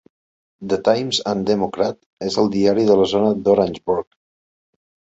"The Times and Democrat" és el diari de la zona d'Orangeburg.